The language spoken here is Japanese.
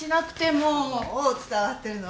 もう伝わってるの？